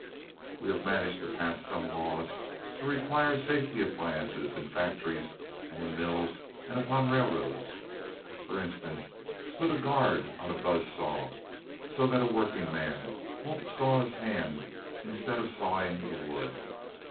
We have managed to pass some laws to require safety appliances in factories and in mills and upon railroads. For instance, to put a guard on a buzz saw so that a workingman won't saw his hand instead of sawing the wood.